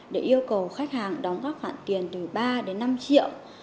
để yêu cầu khách hàng đóng các khoản tiền từ ba đến năm triệu